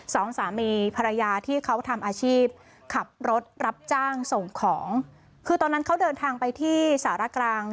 สองสามีภรรยาที่เขาทำอาชีพขับรถรับจ้างส่งของคือตอนนั้นเขาเดินทางไปที่สารกลาง